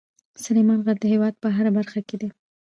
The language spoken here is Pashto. سلیمان غر د هېواد په هره برخه کې دی.